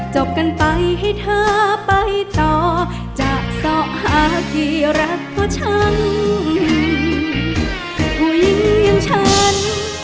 จบกันไปให้เธอไปต่อจะเสาหากี่รักตัวฉัน